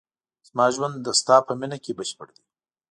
زما ژوند د ستا په مینه کې بشپړ دی.